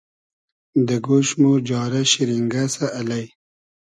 دۂ گۉش مۉ جارۂ شیرینگئسۂ الݷ